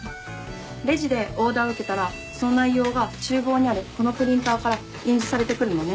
レジでオーダーを受けたらその内容が厨房にあるこのプリンターから印字されて来るのね。